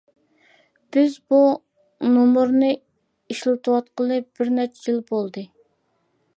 بىز بۇ نومۇرنى ئىشلىتىۋاتقىلى بىر نەچچە يىل بولدى.